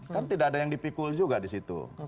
kan tidak ada yang dipikul juga di situ